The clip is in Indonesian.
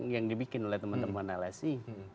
yang dibikin oleh teman teman lsi